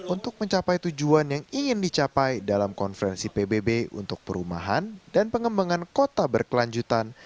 untuk mencapai tujuan yang ingin dicapai dalam konferensi pbb untuk perumahan dan pengembangan kota berkelanjutan